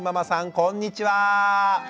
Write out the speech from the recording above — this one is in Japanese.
こんにちは。